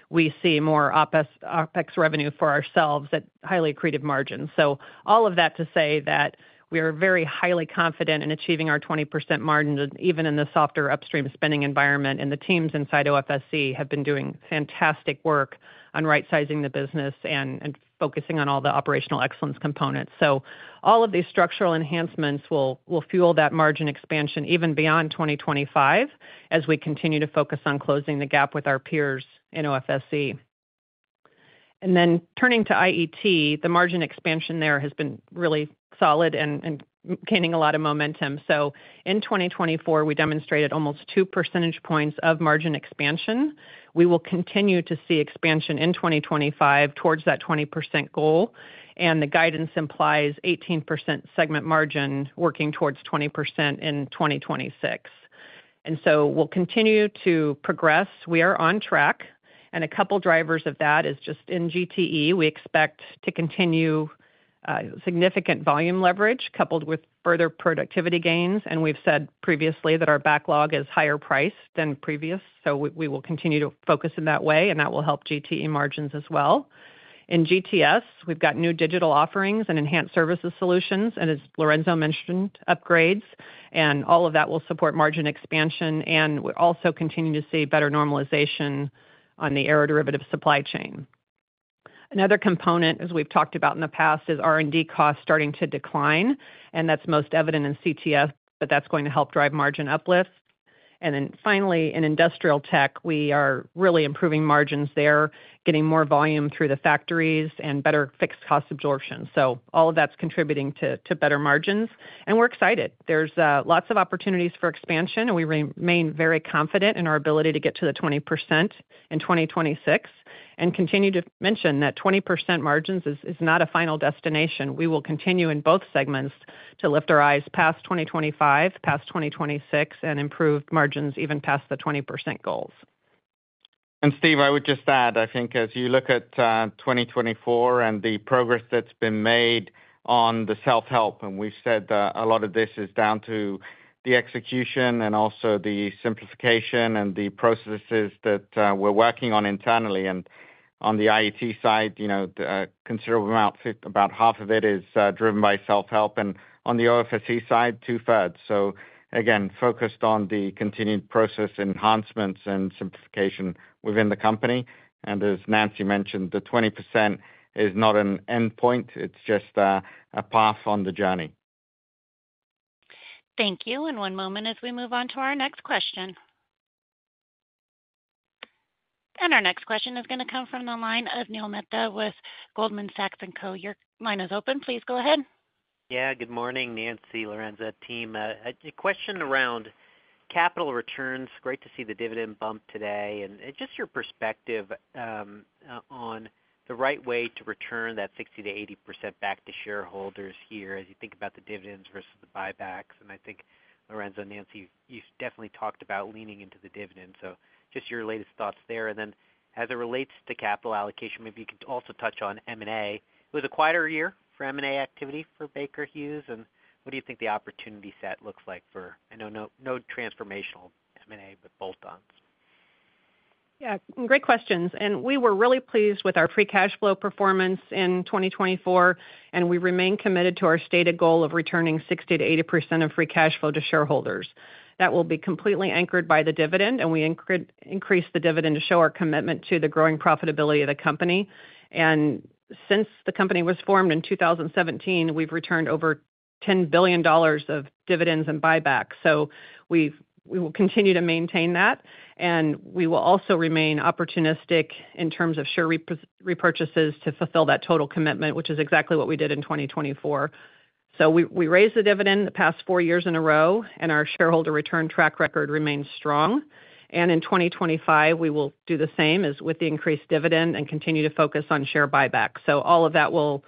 we see more OpEx revenue for ourselves at highly accretive margins. So all of that to say that we are very highly confident in achieving our 20% margin, even in the softer upstream spending environment. And the teams inside OFSE have been doing fantastic work on right-sizing the business and focusing on all the operational excellence components. So all of these structural enhancements will fuel that margin expansion even beyond 2025 as we continue to focus on closing the gap with our peers in OFSE. Turning to IET, the margin expansion there has been really solid and gaining a lot of momentum. In 2024, we demonstrated almost two percentage points of margin expansion. We will continue to see expansion in 2025 towards that 20% goal. The guidance implies 18% segment margin working towards 20% in 2026. We'll continue to progress. We are on track. A couple of drivers of that is just in GTE. We expect to continue significant volume leverage coupled with further productivity gains. We've said previously that our backlog is higher priced than previous. We will continue to focus in that way, and that will help GTE margins as well. In GTS, we've got new digital offerings and enhanced services solutions. As Lorenzo mentioned, upgrades. All of that will support margin expansion. We also continue to see better normalization on the aftermarket supply chain. Another component, as we've talked about in the past, is R&D costs starting to decline. That's most evident in CTS, but that's going to help drive margin uplifts. Then finally, in industrial tech, we are really improving margins there, getting more volume through the factories and better fixed cost absorption. So all of that's contributing to better margins. We're excited. There's lots of opportunities for expansion. We remain very confident in our ability to get to the 20% in 2026. We continue to mention that 20% margins is not a final destination. We will continue in both segments to lift our eyes past 2025, past 2026, and improve margins even past the 20% goals. And Steve, I would just add, I think as you look at 2024 and the progress that's been made on the self-help, and we've said a lot of this is down to the execution and also the simplification and the processes that we're working on internally. And on the IET side, considerable amount, about half of it is driven by self-help. And on the OFSC side, two-thirds. So again, focused on the continued process enhancements and simplification within the company. And as Nancy mentioned, the 20% is not an endpoint. It's just a path on the journey. Thank you. And one moment as we move on to our next question. And our next question is going to come from the line of Neil Mehta with Goldman Sachs and Co. Your line is open. Please go ahead. Yeah, good morning, Nancy, Lorenzo, team. A question around capital returns. Great to see the dividend bump today. Just your perspective on the right way to return that 60%-80% back to shareholders here as you think about the dividends versus the buybacks. I think Lorenzo, Nancy, you've definitely talked about leaning into the dividends. Just your latest thoughts there. As it relates to capital allocation, maybe you could also touch on M&A. It was a quieter year for M&A activity for Baker Hughes. What do you think the opportunity set looks like for, I know, no transformational M&A, but bolt-ons? Yeah, great questions. We were really pleased with our free cash flow performance in 2024. We remain committed to our stated goal of returning 60%-80% of free cash flow to shareholders. That will be completely anchored by the dividend. And we increase the dividend to show our commitment to the growing profitability of the company. And since the company was formed in 2017, we've returned over $10 billion of dividends and buybacks. So we will continue to maintain that. And we will also remain opportunistic in terms of share repurchases to fulfill that total commitment, which is exactly what we did in 2024. So we raised the dividend the past four years in a row, and our shareholder return track record remains strong. And in 2025, we will do the same with the increased dividend and continue to focus on share buybacks. So all of that will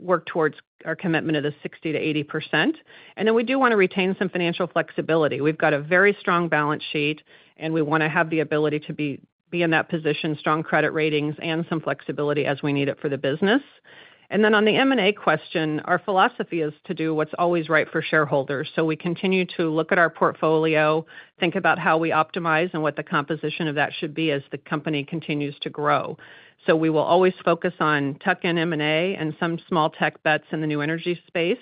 work towards our commitment of the 60%-80%. And then we do want to retain some financial flexibility. We've got a very strong balance sheet, and we want to have the ability to be in that position, strong credit ratings, and some flexibility as we need it for the business. And then on the M&A question, our philosophy is to do what's always right for shareholders. So we continue to look at our portfolio, think about how we optimize and what the composition of that should be as the company continues to grow. So we will always focus on tech and M&A and some small tech bets in the new energy space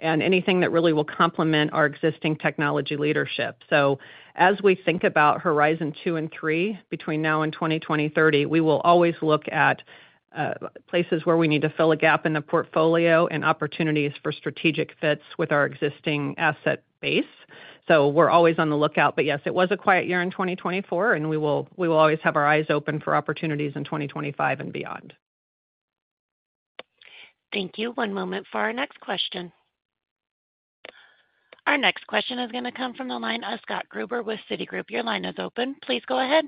and anything that really will complement our existing technology leadership. So as we think about horizon two and three between now and 2020-2030, we will always look at places where we need to fill a gap in the portfolio and opportunities for strategic fits with our existing asset base. So we're always on the lookout. But yes, it was a quiet year in 2024, and we will always have our eyes open for opportunities in 2025 and beyond. Thank you. One moment for our next question. Our next question is going to come from the line of Scott Gruber with Citigroup. Your line is open. Please go ahead.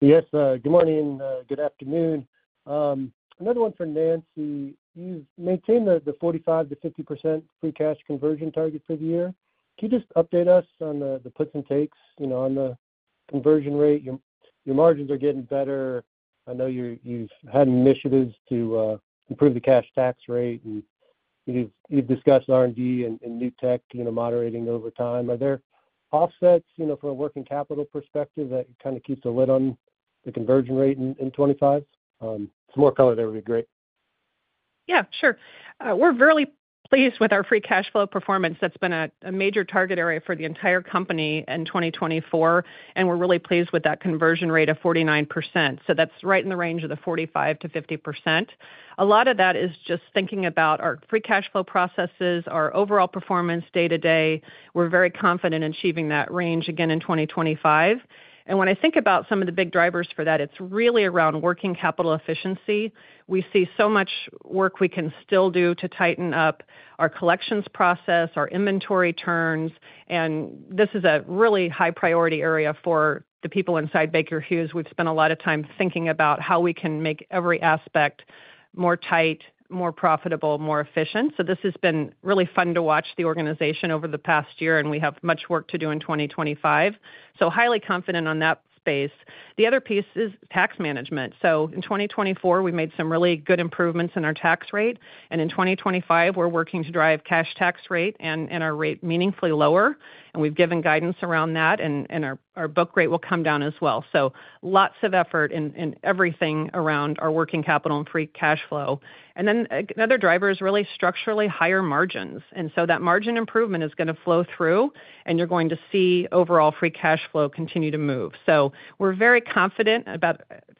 Yes, good morning. Good afternoon. Another one for Nancy. You've maintained the 45%-50% free cash conversion target for the year. Can you just update us on the puts and takes on the conversion rate? Your margins are getting better. I know you've had initiatives to improve the cash tax rate. And you've discussed R&D and new tech moderating over time. Are there offsets from a working capital perspective that kind of keeps the lid on the conversion rate in 2025? Some more color there would be great. Yeah, sure. We're really pleased with our free cash flow performance. That's been a major target area for the entire company in 2024. And we're really pleased with that conversion rate of 49%. So that's right in the range of the 45%-50%. A lot of that is just thinking about our free cash flow processes, our overall performance day-to-day. We're very confident in achieving that range again in 2025. And when I think about some of the big drivers for that, it's really around working capital efficiency. We see so much work we can still do to tighten up our collections process, our inventory turns. And this is a really high priority area for the people inside Baker Hughes. We've spent a lot of time thinking about how we can make every aspect more tight, more profitable, more efficient. So this has been really fun to watch the organization over the past year, and we have much work to do in 2025. So highly confident on that space. The other piece is tax management. So in 2024, we made some really good improvements in our tax rate. And in 2025, we're working to drive cash tax rate and our rate meaningfully lower. And we've given guidance around that, and our book rate will come down as well. So lots of effort in everything around our working capital and free cash flow. And then another driver is really structurally higher margins. And so that margin improvement is going to flow through, and you're going to see overall free cash flow continue to move. So we're very confident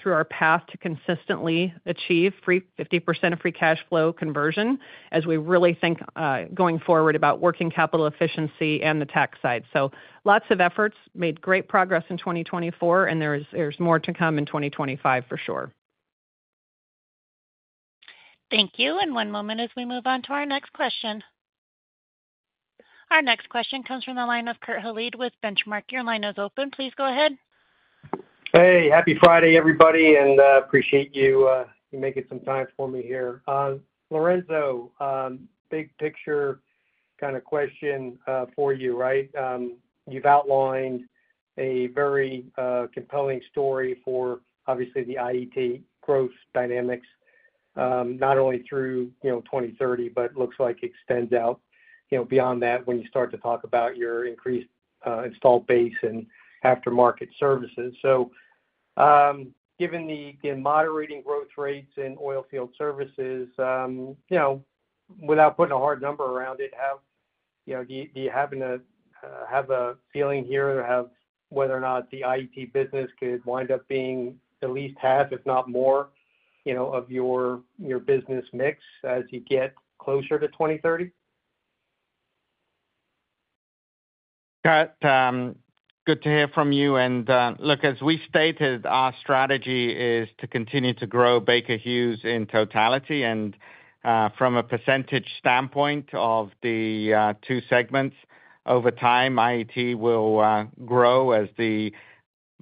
through our path to consistently achieve 50% of free cash flow conversion as we really think going forward about working capital efficiency and the tax side. So lots of efforts, made great progress in 2024, and there's more to come in 2025 for sure. Thank you. And one moment as we move on to our next question. Our next question comes from the line of Kurt Hallead with Benchmark. Your line is open. Please go ahead. Hey, happy Friday, everybody. And I appreciate you making some time for me here. Lorenzo, big picture kind of question for you, right? You've outlined a very compelling story for, obviously, the IET growth dynamics, not only through 2030, but it looks like it extends out beyond that when you start to talk about your increased installed base and aftermarket services. So given the moderating growth rates in oilfield services, without putting a hard number around it, do you happen to have a feeling here whether or not the IET business could wind up being at least half, if not more, of your business mix as you get closer to 2030? Good to hear from you. And look, as we stated, our strategy is to continue to grow Baker Hughes in totality. And from a percentage standpoint of the two segments, over time, IET will grow as the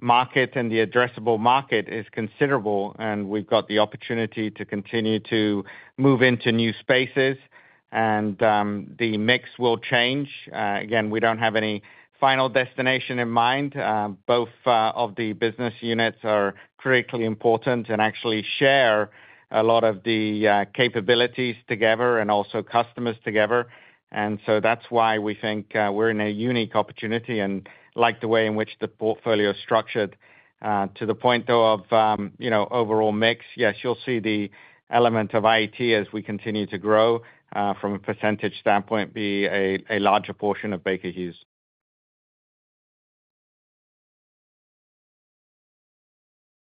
market and the addressable market is considerable. And we've got the opportunity to continue to move into new spaces. And the mix will change. Again, we don't have any final destination in mind. Both of the business units are critically important and actually share a lot of the capabilities together and also customers together. And so that's why we think we're in a unique opportunity. And like the way in which the portfolio is structured, to the point though of overall mix, yes, you'll see the element of IET as we continue to grow from a percentage standpoint be a larger portion of Baker Hughes.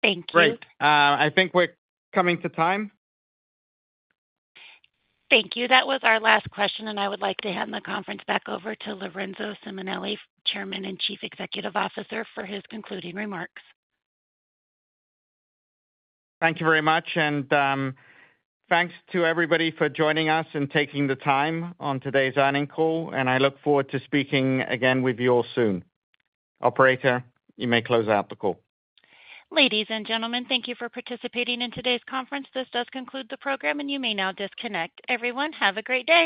Thank you. Great. I think we're coming to time. Thank you. That was our last question. And I would like to hand the conference back over to Lorenzo Simonelli, Chairman and Chief Executive Officer, for his concluding remarks. Thank you very much. And thanks to everybody for joining us and taking the time on today's earnings call. And I look forward to speaking again with you all soon. Operator, you may close out the call. Ladies and gentlemen, thank you for participating in today's conference. This does conclude the program, and you may now disconnect. Everyone, have a great day.